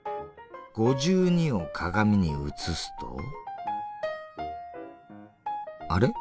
５２を鏡に映すとあれ？